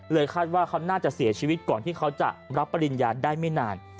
คาดว่าเขาน่าจะเสียชีวิตก่อนที่เขาจะรับปริญญาได้ไม่นาน